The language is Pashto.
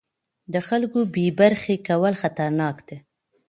د خلکو بې برخې کول خطرناک دي